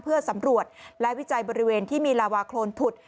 เพื่อสำรวจและวิจัยบริเวณที่มีลาวาโครนผุด